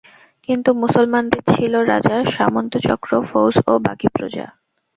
কিন্তু মুসলমানদের ছিল রাজা, সামন্তচক্র, ফৌজ ও বাকী প্রজা।